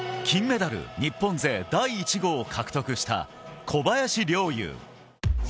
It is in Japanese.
金メダル日本勢第１号を獲得した小林陵侑。